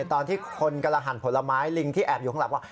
ตอนที่คนกำลังหั่นผลไม้ลิงที่แอบอยู่ข้างหลังว่า